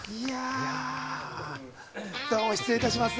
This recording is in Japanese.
どうも失礼いたします。